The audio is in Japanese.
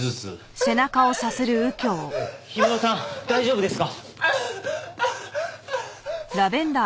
氷室さん大丈夫ですか？